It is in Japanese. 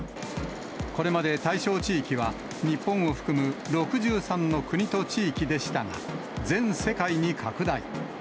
これまで対象地域は、日本を含む６３の国と地域でしたが、全世界に拡大。